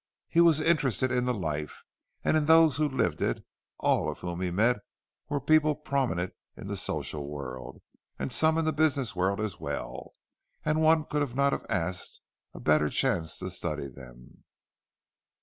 He was interested in the life, and in those who lived it; all whom he met were people prominent in the social world, and some in the business world as well, and one could not have asked a better chance to study them.